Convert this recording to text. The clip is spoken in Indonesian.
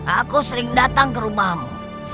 aku sering datang ke rumahmu